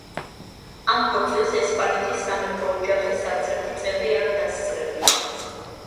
ამ ქორწილს ესპანეთის სამეფო ოჯახის არცერთი წევრი არ დასწრებია.